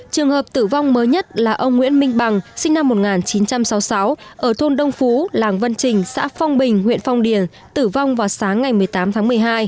trường hợp tử vong mới nhất là ông nguyễn minh bằng sinh năm một nghìn chín trăm sáu mươi sáu ở thôn đông phú làng vân trình xã phong bình huyện phong điền tử vong vào sáng ngày một mươi tám tháng một mươi hai